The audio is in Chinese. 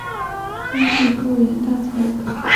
单序波缘大参是五加科大参属波缘大参的变种。